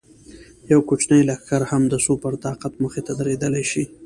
یو کوچنی لښکر هم د سوپر طاقت مخې ته درېدلی شي.